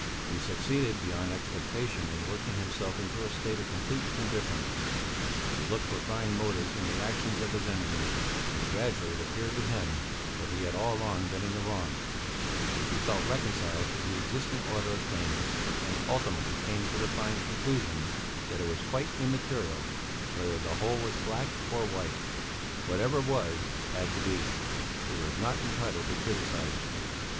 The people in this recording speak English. He succeeded beyond expectation in working himself into a state of complete indifference; he looked for fine motives in the actions of his enemies, and gradually it appeared to him that he had all along been in the wrong; he felt reconciled to the existing order of things, and ultimately came to the fine conclusion that it was quite immaterial whether the whole was black or white. Whatever was, had to be; he was not entitled to criticize it.